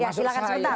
ya silakan sebentar